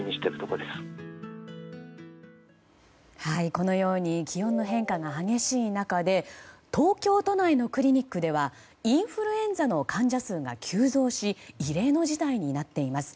このように気温の変化が激しい中で東京都内のクリニックではインフルエンザの患者数が急増し異例の事態になっています。